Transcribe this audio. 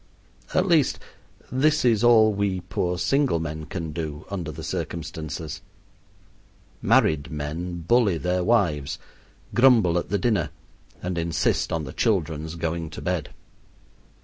At least, this is all we poor single men can do under the circumstances. Married men bully their wives, grumble at the dinner, and insist on the children's going to bed.